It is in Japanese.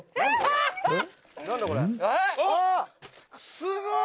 「すごい！」